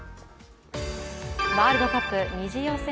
ワールドカップ２次予選